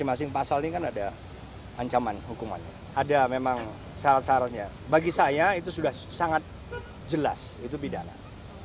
ancaman hukumannya ada memang syarat syaratnya bagi saya itu sudah sangat jelas itu pidana